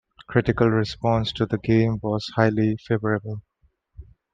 Critical response to the game was highly favorable.